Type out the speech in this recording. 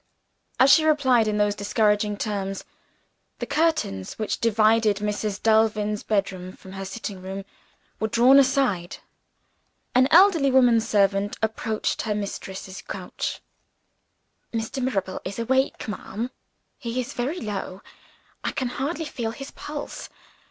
As she replied in those discouraging terms, the curtains which divided Mrs. Delvin's bedroom from her sitting room were drawn aside. An elderly woman servant approached her mistress's couch. "Mr. Mirabel is awake, ma'am. He is very low; I can hardly feel his pulse.